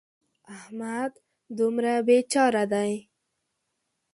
احمد دومره بې چاره دی.